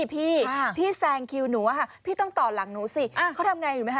พี่แซงคิวหนูอะค่ะพี่ต้องต่อหลังหนูสิเขาทำอย่างไรอยู่ไหมฮะ